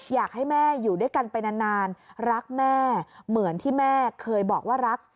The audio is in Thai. อยากให้แม่อยู่ด้วยกันไปนานรักแม่เหมือนที่แม่เคยบอกว่ารัก